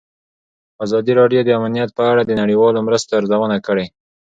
ازادي راډیو د امنیت په اړه د نړیوالو مرستو ارزونه کړې.